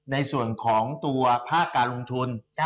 ในส่วนของตัวภาคการลงทุน